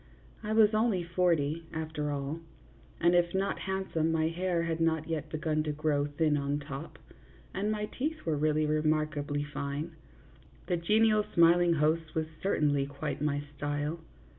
I was only forty, after all, and if not handsome, my hair had not yet begun to grow thin on top, and my teeth were really remarkably fine ; the genial smiling host was cer tainly quite my style.